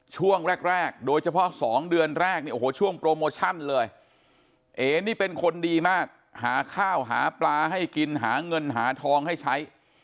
ช่วงแรกโดยเฉพาะ๒เดือนแรกเนี่ยโอ้โหช่วงโปรโมชั่นเลย